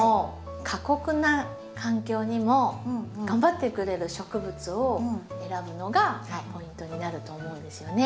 過酷な環境にも頑張ってくれる植物を選ぶのがポイントになると思うんですよね。